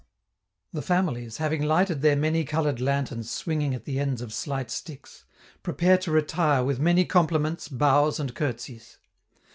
The families, having lighted their many colored lanterns swinging at the ends of slight sticks, prepare to retire with many compliments, bows, and curtseys.